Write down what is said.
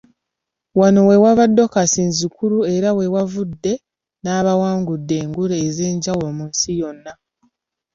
Wano we wava Docus Inzikuru era ye wavudde n'abawangudde engule ez'enjawulo mu nsi yonna.